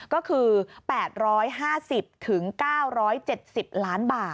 ก็คือ๘๕๐๙๗๐ล้านบาท